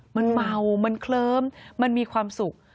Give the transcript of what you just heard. มันเมามันเคลิ้มมันมีความสุข